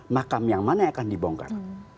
makam yang mana yang akan dibongkar